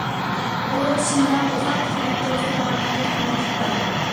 روھ شىنجاڭنى ئۇزاققىچە نەپكە ئېرىشتۈرىدىغان ھەقىقىي قىممەتلىك بايلىق!